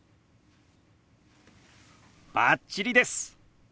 バッチリです！